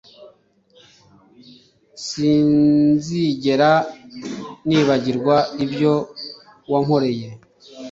Sinzigera nibagirwa ibyo wankoreye